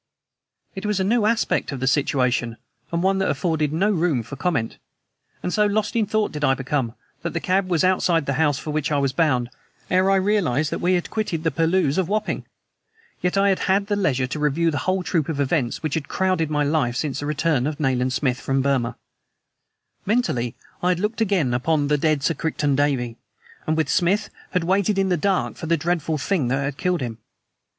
It was a new aspect of the situation and one that afforded no room for comment; and so lost in thought did I become that the cab was outside the house for which I was bound ere I realized that we had quitted the purlieus of Wapping. Yet I had had leisure to review the whole troop of events which had crowded my life since the return of Nayland Smith from Burma. Mentally, I had looked again upon the dead Sir Crichton Davey, and with Smith had waited in the dark for the dreadful thing that had killed him.